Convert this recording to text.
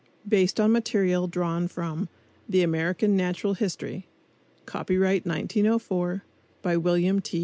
BASED ON MATERIAL DRAWN FROM "THE AMERICAN NATURAL HISTORY," COPYRIGHT 1904, BY WILLIAM T.